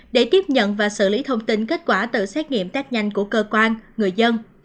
để tiếp nhận và xử lý thông tin kết quả tự xét nghiệm test nhanh của cơ quan người dân